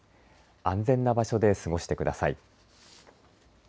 安全な場所で過ごしてください。